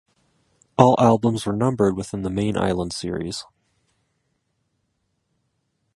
All albums were numbered within the main Island series.